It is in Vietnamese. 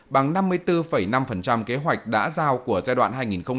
bằng năm mươi bốn năm kế hoạch đã giao của giai đoạn hai nghìn một mươi sáu hai nghìn hai mươi